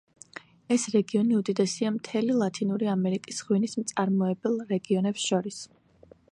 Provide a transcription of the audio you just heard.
ეს რეგიონი უდიდესია მთელი ლათინური ამერიკის ღვინის მწარმოებელ რეგიონებს შორის.